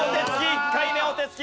１回目お手つき